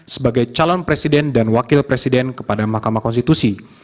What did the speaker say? sebagai calon presiden dan wakil presiden kepada mahkamah konstitusi